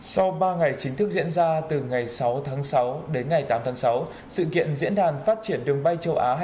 sau ba ngày chính thức diễn ra từ ngày sáu tháng sáu đến ngày tám tháng sáu sự kiện diễn đàn phát triển đường bay châu á